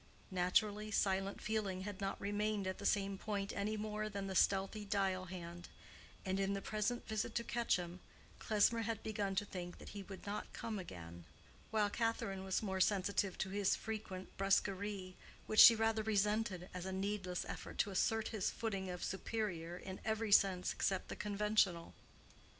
Naturally, silent feeling had not remained at the same point any more than the stealthly dial hand, and in the present visit to Quetcham, Klesmer had begun to think that he would not come again; while Catherine was more sensitive to his frequent brusquerie, which she rather resented as a needless effort to assert his footing of superior in every sense except the conventional.